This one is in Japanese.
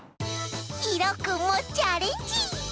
ひろくんもチャレンジ！